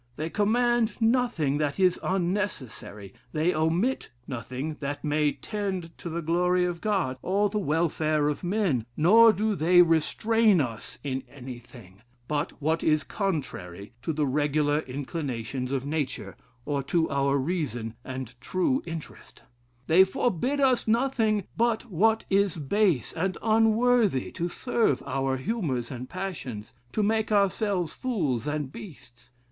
They command nothing that is unnecessary, they omit nothing that may tend to the glory of God, or the welfare of men, nor do they restrain us in anything, but what is contrary to the regular inclinations of nature, or to our reason, and true interest; they forbid us nothing but what is base and unworthy to serve our humors and passions, to make ourselves fools and beasts.